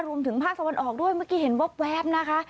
รวมถึงภาคตะวันออกด้วยเมื่อกี้เห็นแว๊บนะคะ